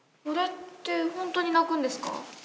これってホントに泣くんですか？